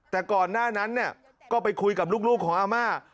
แต่ก่อนหน้านั้นก็ไปคุยกับลูกของอาม่า